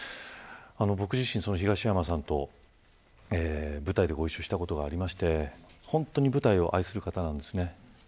僕自身、東山さんと舞台でご一緒したことがありまして本当に舞台を愛する方なんです。